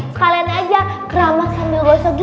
sekalian aja keramas sambil gosok gigi